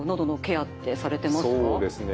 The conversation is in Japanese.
そうですね